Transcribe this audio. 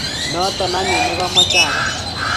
Notok anyun ne kamache agase